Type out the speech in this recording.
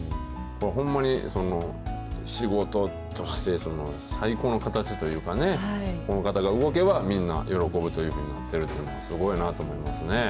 ほんまに仕事として、最高の形というかね、この方が動けば、みんな喜ぶというふうになってるって、すごいなと思いますね。